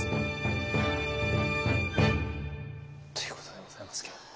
ということでございますけれども。